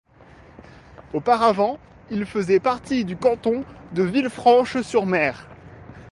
Auparavant, il faisait partie du canton de Villefranche-sur-Mer.